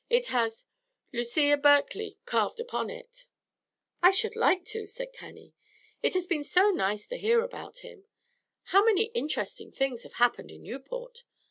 It has 'Lucia Berkeley' carved upon it." "I should like to," said Cannie. "It has been so nice to hear about him. How many interesting things have happened in Newport!